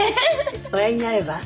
おやりになれば？